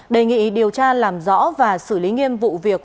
đề nghị điều tra làm rõ và xử lý nghiêm vụ việc